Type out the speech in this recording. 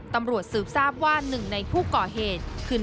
ตำรวจสืบทราบว่าหนึ่งในผู้ก่อเหตุคือ